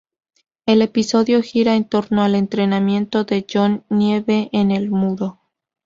El episodio gira en torno al entrenamiento de Jon Nieve en el Muro.